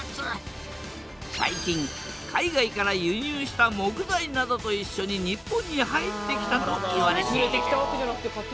最近海外から輸入した木材などといっしょに日本に入ってきたといわれている。